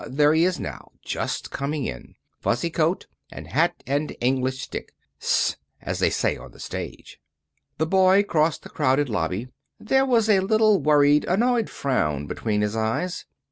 There he is now. Just coming in. Fuzzy coat and hat and English stick. Hist! As they say on the stage." The boy crossed the crowded lobby. There was a little worried, annoyed frown between his eyes.